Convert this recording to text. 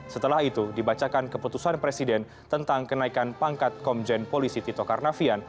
setelah itu dibacakan keputusan presiden tentang kenaikan pangkat komjen polisi tito karnavian